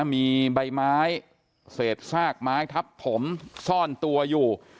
มีใบไม้เศษซากไม้ทับถมซ่อนตัวอยู่